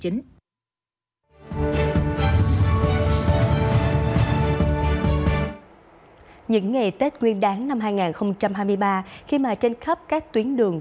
những ngày tết nguyên đáng năm hai nghìn hai mươi ba khi mà trên khắp các tuyến đường